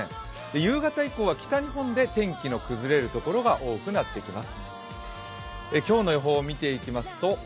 夕方以降は北日本で天気の崩れるところが多くなってきます。